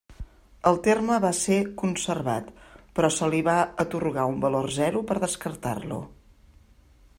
El terme va ser conservat però se li va atorgar un valor zero per descartar-lo.